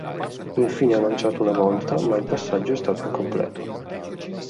Infine ha lanciato una volta ma il passaggio è stato incompleto.